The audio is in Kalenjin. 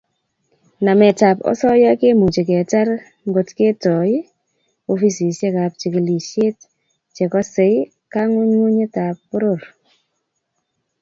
Nametab osoya kemuchi ketar ngetoi ofisisiekab chigilisiet chekosei kangungunyetab poror